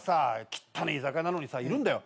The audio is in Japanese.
きったねえ居酒屋なのにさいるんだよ。